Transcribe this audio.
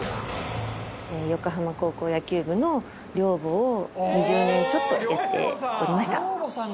横浜高校野球部の寮母を２０年ちょっとやっておりました。